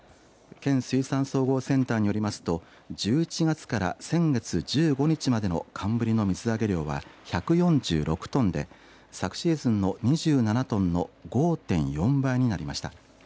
県水産総合センターによりますと１１月から先月１５日までの寒ぶりの水揚げ量は１４６トンで昨シーズンの２７トンの５．４倍になりました。